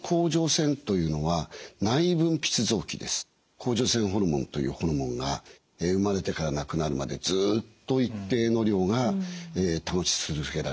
甲状腺ホルモンというホルモンが生まれてから亡くなるまでずっと一定の量が保ち続けられます。